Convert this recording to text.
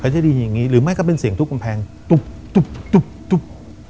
จะได้ยินอย่างนี้หรือไม่ก็เป็นเสียงทุบกำแพงตุ๊บตุ๊บ